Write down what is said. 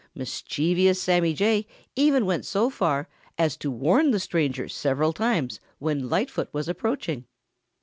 Mischievous Sammy Jay even went so far as to warn the stranger several times when Lightfoot was approaching.